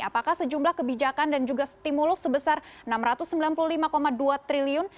apakah sejumlah kebijakan dan juga stimulus sebesar rp enam ratus sembilan puluh lima dua triliun